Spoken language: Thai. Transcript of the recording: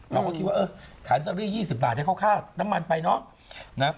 เราก็คิดว่าเออขายลอตเตอรี่๒๐บาทได้ค่าน้ำมันไปเนาะ